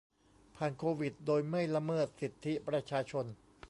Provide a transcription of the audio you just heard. ผ่านโควิด โดยไม่ละเมิดสิทธิประชาชน